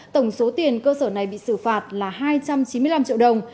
tổng số tiền cơ sở này bị xử phạt là hai trăm chín mươi năm triệu đồng